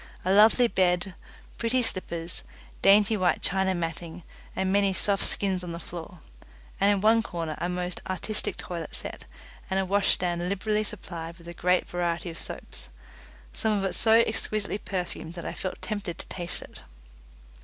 A lovely bed, pretty slippers, dainty white China matting and many soft skins on the floor, and in one corner a most artistic toilet set, and a wash stand liberally supplied with a great variety of soap some of it so exquisitely perfumed that I felt tempted to taste it.